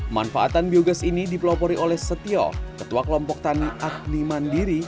manfaatan biogas ini dipelopori oleh setio ketua kelompok tani agni mandiri